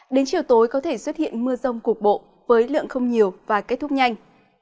đến chiều tối có thể xuất hiện mưa rông cục bộ với lượng không nhiều và kết thúc nhanh